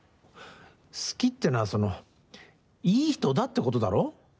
好きっていうのはその、いい人だってことだろ。